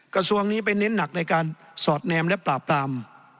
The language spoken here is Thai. กระทรวงนี้ไปเน้นหนักในการสอดแนมและปราบปราม